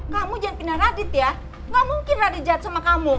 kamu jangan pindah radit ya gak mungkin radi jad sama kamu